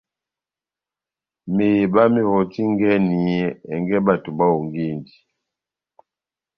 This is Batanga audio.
Meheba mewɔtingɛni ɛngɛ bato bahongindi.